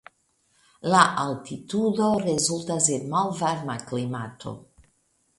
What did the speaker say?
La altitudo rezultas en malvarma klimato.